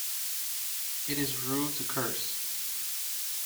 It is rude to curse.